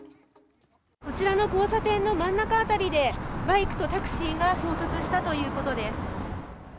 こちらの交差点の真ん中辺りで、バイクとタクシーが衝突したということです。